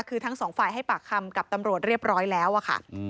คือทั้งสองฝ่ายให้ปากคำกับตำรวจเรียบร้อยแล้วอะค่ะ